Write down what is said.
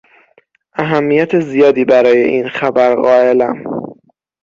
اهمیت زیادی برای این خبر قایلم.